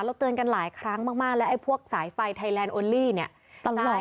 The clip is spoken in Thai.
เตือนกันหลายครั้งมากแล้วไอ้พวกสายไฟไทยแลนดโอลี่เนี่ยตลอด